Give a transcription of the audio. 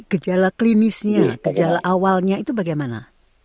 kejala klinisnya kejala awalnya itu bagaimana